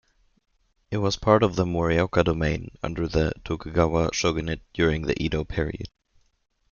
It was part of Morioka Domain under the Tokugawa shogunate during the Edo period.